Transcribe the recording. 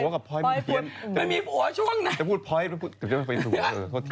หัวกับพ้อยมันเพี้ยนจะพูดพ้อยไม่มีผัวช่วงนั้น